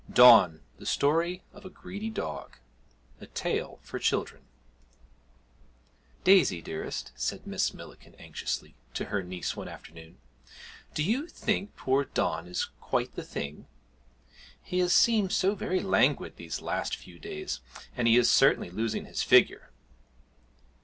DON; THE STORY OF A GREEDY DOG A TALE FOR CHILDREN 'Daisy, dearest,' said Miss Millikin anxiously to her niece one afternoon, 'do you think poor Don is quite the thing? He has seemed so very languid these last few days, and he is certainly losing his figure!'